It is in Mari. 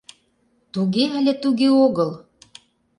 Туге але туге огыл?